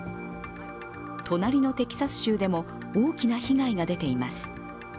隣のテキサス州でも大きな被害が出ています。